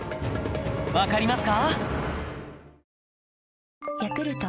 わかりますか？